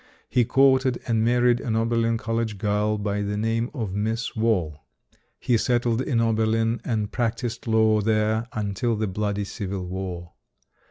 He courted and married an Oberlin College girl by the name of Miss Wall. He settled in Oberlin and practiced law there until the bloody Civil War.